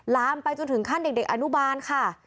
ลามไปจนถึงขั้นเด็กอนุบาลค่ะ